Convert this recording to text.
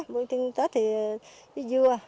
bưởi chưng tết thì dưa